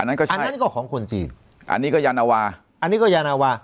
นั่นก็ใช่อันนี้ก็ของคนจีนอันนี้ก็ยานาวาอันนี้ก็ยานาวา